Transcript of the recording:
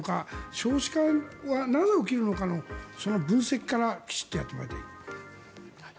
少子化はなぜ起きるのかの分析からきちんとやってもらいたい。